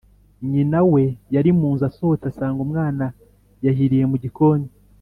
Nyina, we yari mu nzu asohotse asanga umwana yahiriye mu gikoni